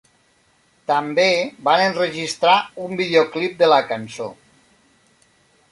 També van enregistrar un videoclip de la cançó.